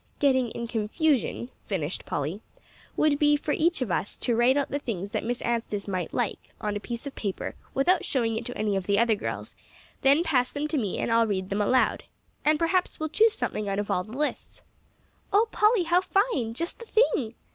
"Getting in confusion," finished Polly, "would be, for us each to write out the things that Miss Anstice might like, on a piece of paper, without showing it to any of the other girls; then pass them in to me, and I'll read them aloud. And perhaps we'll choose something out of all the lists." "Oh, Polly, how fine! just the thing."